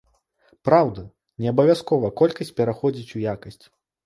Праўда, не абавязкова колькасць пераходзіць у якасць.